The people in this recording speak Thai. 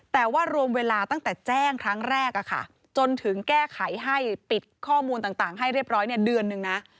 แต่ว่ารวมเวลาตั้งแต่แจ้งครั้งแรกจนถึงแก้ไขให้ปิดข้อมูลต่างให้เรียบร้อยเดือนหนึ่งนะ